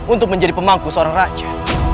untuk menjadi pemangku seorang raja